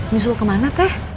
nyusul kemana teh